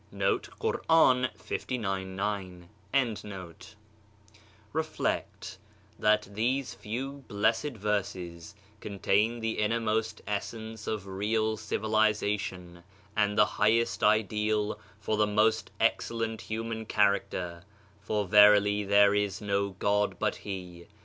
* Reflect, that these few blessed verses contain the innermost essence of real civilization and the highest ideal of the most excellent human char acter. "For verily there is no God but He."